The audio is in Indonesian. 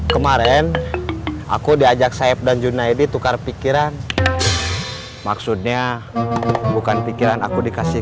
kemarin aku diajak sayap dan junaidi tukar pikiran maksudnya bukan pikiran aku dikasih